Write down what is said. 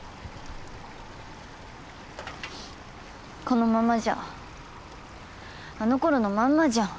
このままじゃあのころのまんまじゃん。